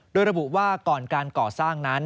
โดยระบุว่าก่อนการก่อสร้างนั้น